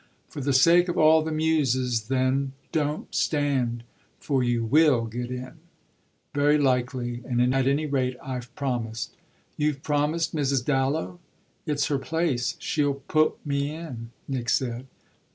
"For the sake of all the muses then don't stand. For you will get in." "Very likely. At any rate I've promised." "You've promised Mrs. Dallow?" "It's her place she'll put me in," Nick said.